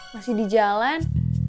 masih di jalan